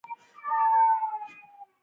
یو شمېر ملتونه له پرانیستو بنسټونو برخمن دي.